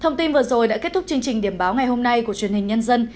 thông tin vừa rồi đã kết thúc chương trình điểm báo ngày hôm nay của truyền hình nhân dân